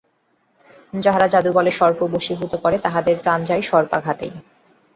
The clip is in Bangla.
যাহারা যাদুবলে সর্প বশীভূত করে, তাহাদের প্রাণ যায় সর্পাঘাতেই।